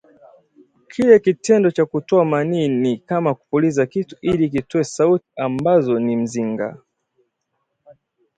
kile kitendo cha kutoa manii ni kama kupuliza kitu ili kitoe sauti ambayo ni mzinga